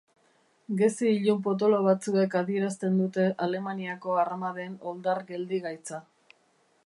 Gezi ilun potolo batzuek adierazten dute Alemaniako armaden oldar geldigaitza.